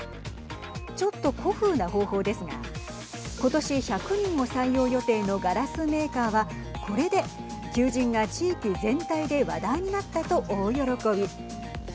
ちょっと古風な方法ですが今年１００人を採用予定のガラスメーカーはこれで求人が地域全体で話題になったと大喜び。